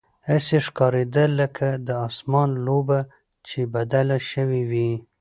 هسې ښکارېده لکه د اسمان لوبه چې بدله شوې وي.